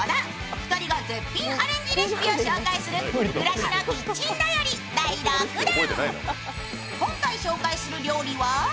２人が絶品アレンジレシピを紹介する暮らしのキッチン便り第６弾。